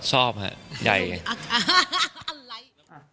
ชอบฮะใหญ่